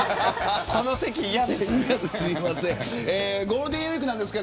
この席、嫌です。